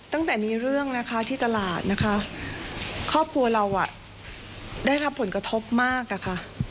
ตั้งแต่มีเรื่องที่ตลาดครอบครัวเราได้รับผลกระทบมาก